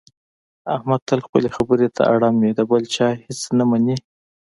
احمد تل خپلې خبرې ته اړم وي، د بل چا هېڅ نه مني.